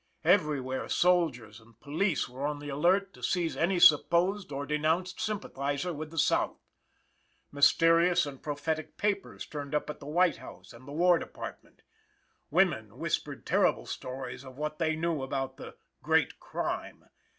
Everywhere soldiers and police were on the alert to seize any supposed or denounced sympathizer with the South. Mysterious and prophetic papers turned up at the White House and the War Department. Women whispered terrible stories of what they knew about the "Great Crime."